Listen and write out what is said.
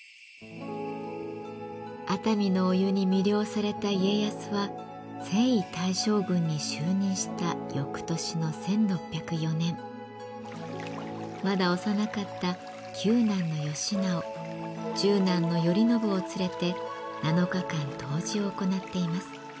熱海のお湯に魅了された家康は征夷大将軍に就任した翌年の１６０４年まだ幼かった九男の義直十男の頼宣を連れて７日間湯治を行っています。